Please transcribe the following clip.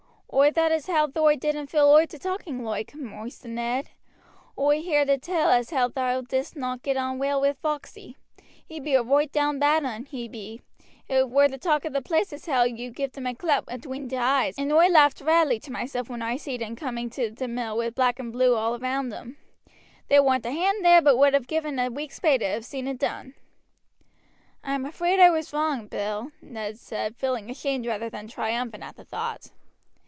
"Oi thought as how thou didn't feel oop to talking loike, Moister Ned. Oi heared tell as how thou did'st not get on well wi' Foxey; he be a roight down bad un, he be; it were the talk of the place as how you gived him a clout atween t' eyes, and oi laughed rarely to myself when oi seed him come through t' mill wi' black and blue all round 'em. There warn't a hand there but would have given a week's pay to have seen it done." "I am afraid I was wrong, Bill," Ned said, feeling ashamed rather then triumphant at the thought.